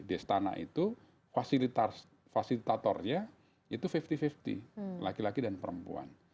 destana itu fasilitatornya itu lima puluh lima puluh laki laki dan perempuan